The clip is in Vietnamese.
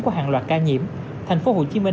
của hàng loạt ca nhiễm thành phố hồ chí minh